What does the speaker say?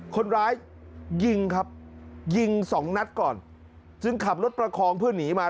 คนร้ายยิงครับยิงสองนัดก่อนจึงขับรถประคองเพื่อหนีมา